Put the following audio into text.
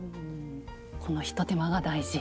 この一手間が大事。